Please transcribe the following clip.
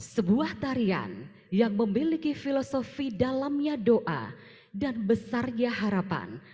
sebuah tarian yang memiliki filosofi dalamnya doa dan besarnya harapan